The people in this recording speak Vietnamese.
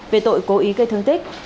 về tội cố ý gây thương tích